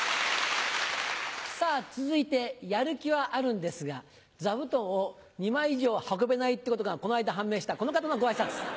さぁ続いてやる気はあるんですが座布団を２枚以上運べないってことがこの間判明したこの方のご挨拶。